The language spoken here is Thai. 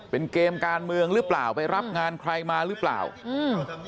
เป็นเกมการเมืองหรือเปล่าไปรับงานใครมาหรือเปล่าอืม